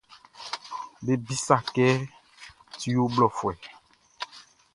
Be bisât kɛ tu ɔ ho blɔfuɛ.